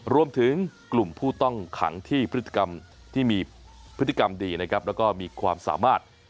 รวมถึงกลุ่มผู้ต้องขังที่พฤติกรรมที่มีพฤติกรรมดีนะครับแล้วก็มีความสามารถ